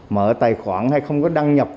mở tài khoản hay không có đăng nhập